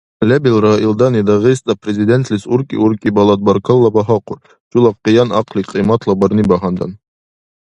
Лебилра илдани Дагъиста Президентлис уркӀи-уркӀилабад баркалла багьахъур, чула къиян ахъли кьиматлабарни багьандан.